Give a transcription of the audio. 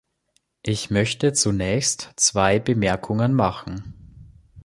Ich möchte zunächst zwei Bemerkungen machen.